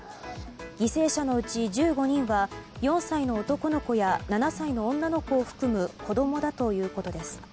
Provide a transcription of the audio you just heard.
犠牲者のうち１５人は４歳の男の子や７歳の女の子を含む子供だということです。